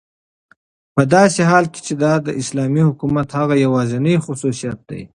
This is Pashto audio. په داسي حال كې چې دا داسلامي حكومت هغه يوازينى خصوصيت دى